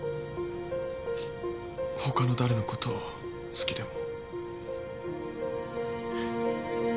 他の誰のことを好きでも。